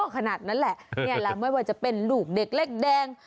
ขนาดนั้นแหละนี่แหละไม่ว่าจะเป็นลูกเด็กเล็กแดง